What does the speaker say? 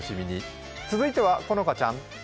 続いては好花ちゃん。